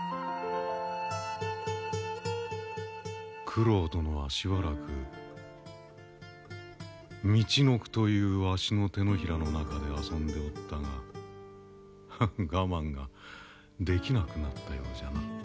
九郎殿はしばらくみちのくというわしの手のひらの中で遊んでおったが我慢ができなくなったようじゃな。